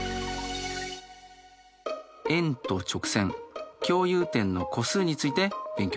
円と直線共有点の個数について勉強します。